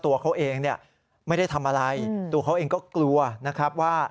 ตัวเขาเองเนี่ยไม่ได้ทำอะไรตัวเขาเองก็กลัวนะครับว่า